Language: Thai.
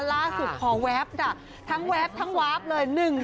ล่าสุดขอแว๊บด่ะทั้งแว๊บทั้งวับเลย